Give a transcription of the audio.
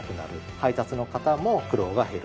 配達の方も苦労が減る。